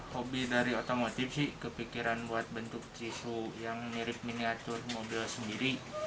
hobi dari otomotif sih kepikiran buat bentuk tisu yang mirip miniatur mobil sendiri